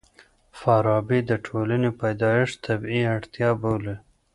فارابي د ټولني پيدايښت طبيعي اړتيا بولي.